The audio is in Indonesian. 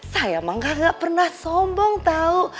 saya mah gak pernah sombong tau